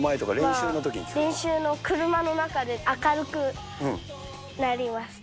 練習の、車の中で、明るくなります。